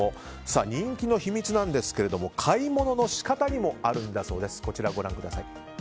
人気の秘密なんですけれども買い物の仕方にもあるんだそうです。